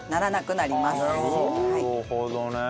なるほどね。